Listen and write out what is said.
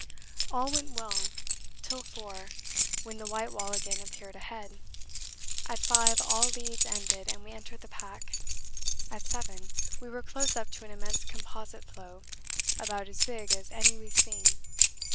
All went well till four, when the white wall again appeared ahead at five all leads ended and we entered the pack; at seven we were close up to an immense composite floe, about as big as any we've seen.